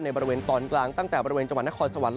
บริเวณตอนกลางตั้งแต่บริเวณจังหวัดนครสวรรค์